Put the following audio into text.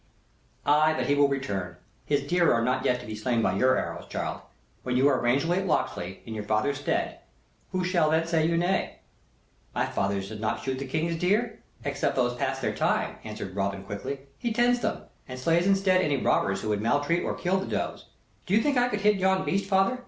"Ay, but he will return. His deer are not yet to be slain by your arrows, child. When you are Ranger at Locksley, in your father's stead, who shall then say you nay?" "My father does not shoot the King's deer, except those past their time," answered Robin, quickly. "He tends them, and slays instead any robbers who would maltreat or kill the does. Do you think I could hit yon beast, father?